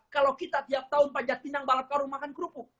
kalau kita tiap tahun panjat pinang balap karung makan kerupuk